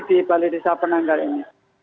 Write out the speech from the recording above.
di balai desa penanggal ini